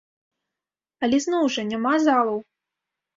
Але зноў жа, няма залаў!